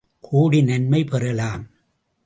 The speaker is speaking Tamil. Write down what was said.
கோடி நன்மை பெறலாம்.